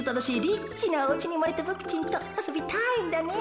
リッチなおうちにうまれたボクちんとあそびたいんだね。